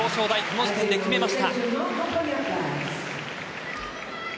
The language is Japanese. この時点で決めました。